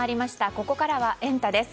ここからはエンタ！です。